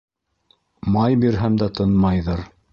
Май бирһәм дә тынмайҙыр